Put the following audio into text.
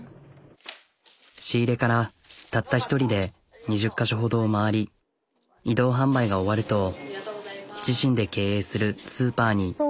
仕入れからたった１人で２０か所ほどを回り移動販売が終わると自身で経営するスーパーに。